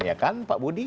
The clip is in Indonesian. ya kan pak budi